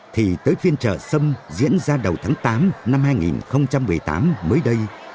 thì tới phiên trở sâm diễn ra đầu tháng tám năm hai nghìn một mươi tám mới đây